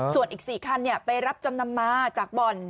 ส่วนอีก๔คันไปรับจำนำมาจากบ่อน